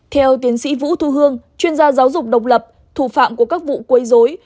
theo tiến sĩ vũ thu hương chuyên gia giáo dục độc lập thủ phạm của các vụ quấy dối